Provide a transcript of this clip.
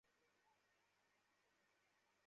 এবং সাত বার কাবা শরীফ প্রদক্ষিণ করেন।